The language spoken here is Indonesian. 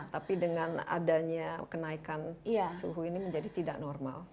tapi dengan adanya kenaikan suhu ini menjadi tidak normal